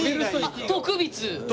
徳光。